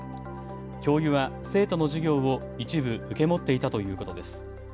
教諭は生徒の授業を一部、受け持っていたということです。